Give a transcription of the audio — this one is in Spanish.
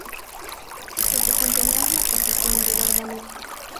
Se desempeñó en la posición de guardameta.